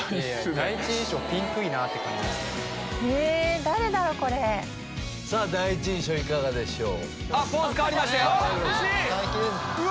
第一印象いかがでしょう？